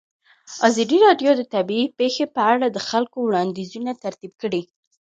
ازادي راډیو د طبیعي پېښې په اړه د خلکو وړاندیزونه ترتیب کړي.